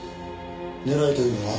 狙いというのは？